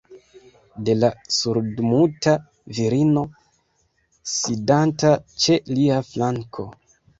De la surdmuta virino, sidanta ĉe lia flanko.